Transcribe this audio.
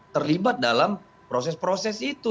terlibat dalam proses proses itu